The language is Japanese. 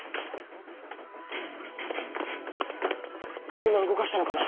車動かしたのかな？